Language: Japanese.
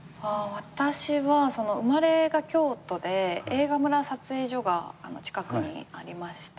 私は生まれが京都で映画村撮影所が近くにあって。